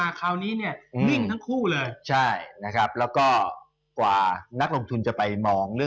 อย่างนี้คือลุยตลาดทุนได้เลย